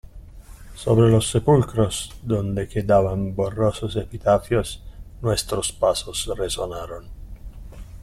sobre los sepulcros, donde quedaban borrosos epitafios , nuestros pasos resonaron.